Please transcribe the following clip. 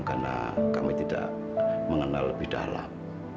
karena kami tidak mengenal lebih dalam